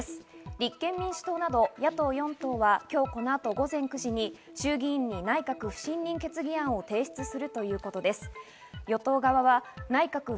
立憲民主党など野党４党が今日このあと午前９時に衆議院の内閣不信任決議案を提出するということです。